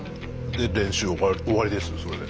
で練習は終わりですよそれで。